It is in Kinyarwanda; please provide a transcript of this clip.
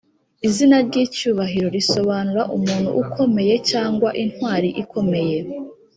izina ry’icyubahiro risobanura umuntu ukomeyecyangwa “intwari ikomeye”).